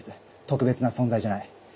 特別な存在じゃない。